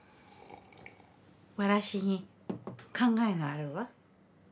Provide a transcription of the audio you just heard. わらしに考えがあるわ。